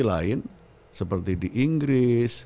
lain seperti di inggris